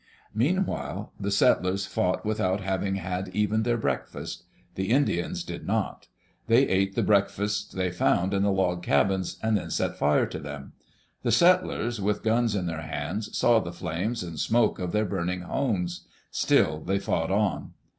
Meanwhile the settlers fought without having had even their breakfast. The Indians did not. They ate the break fasts they found in the log cabins, and then set fire to them. The settlers, with guns in their hands, saw the flames and smoke of their burning homes. Still they fought on.